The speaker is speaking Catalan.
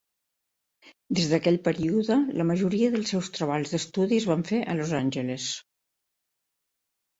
Des d'aquell període, la majoria dels seus treballs d'estudi es van fer a Los Angeles.